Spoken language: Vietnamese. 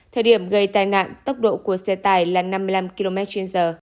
thời điểm gây tai nạn tốc độ của xe tải là năm mươi năm kmh